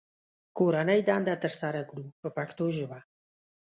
کورنۍ دنده ترسره کړو په پښتو ژبه.